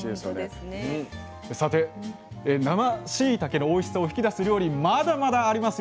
さて生しいたけのおいしさを引き出す料理まだまだありますよ。